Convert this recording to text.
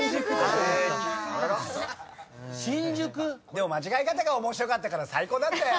でも間違え方が面白かったから最高だったよ！